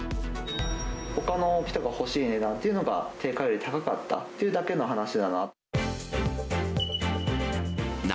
ほかの人が欲しい値段というのが、定価より高かったっていうだけの話だな。